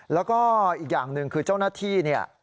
แล้วก็อีกอย่างหนึ่งคือเจ้าหน้าที่เนี่ย